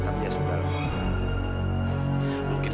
aku masih bercinta sama kamu begitu